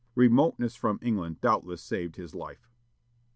Remoteness from England doubtless saved his life.